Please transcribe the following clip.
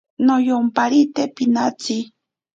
Noyomparite pinatsi.